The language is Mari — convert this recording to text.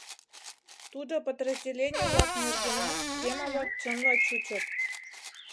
Тудо подразделений-влак нергенат схема-влак чынла чучыт.